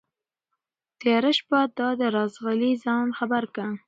تياره شپه دا ده راځغلي ځان خبر كه